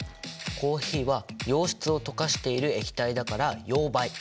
コーヒーは溶質を溶かしている液体だから溶媒。